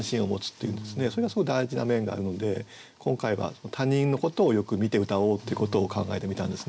それがすごい大事な面があるので今回は他人のことをよく見てうたおうっていうことを考えてみたんですね。